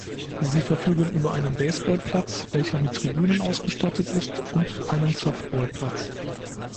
Sie verfügen über einen Baseball-Platz, welcher mit Tribünen ausgestattet ist und einen Softball-Platz.